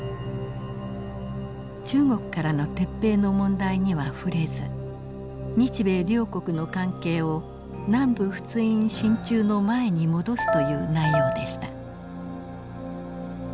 中国からの撤兵の問題には触れず日米両国の関係を南部仏印進駐の前に戻すという内容でした。